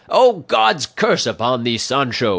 '" "Oh, God's curse upon thee, Sancho!"